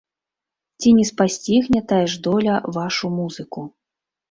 Ці не спасцігне тая ж доля вашу музыку?